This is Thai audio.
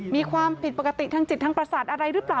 มีความผิดปกติทางจิตทางประสาทอะไรหรือเปล่า